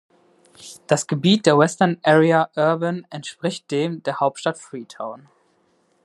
Das Gebiet der Western Area Urban entspricht dem der Hauptstadt Freetown.